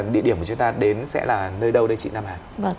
địa điểm của chúng ta đến sẽ là nơi đâu đây chị nam hà